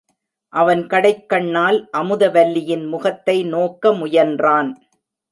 அவன் கடைக்கண்ணால் அமுதவல்லியின் முகத்தை நோக்க முயன்றான்.